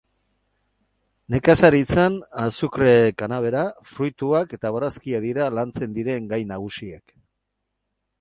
Nekazaritzan azukre-kanabera, fruituak eta barazkiak dira lantzen diren gai nagusiak.